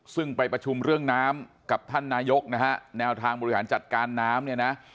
ซึ่งไปประชุมเรื่องน้ำกับท่านนายกนะฮะแนวทางบริหารจัดการน้ำเนี่ยนะ